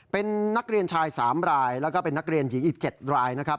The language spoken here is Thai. เป็นนักเรียนชาย๓รายแล้วก็เป็นนักเรียนหญิงอีก๗รายนะครับ